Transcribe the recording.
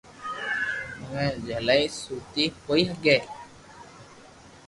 اووہ جھلائي سوٽي ڪوئي ھگي